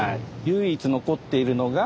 唯一残っているのが？